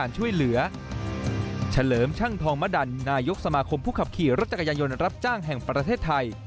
เฉลิมช่างทองมดันนายกสมาคมผู้ขับขี่รถจักรยายนต์รับจ้างแห่งประเทศไทย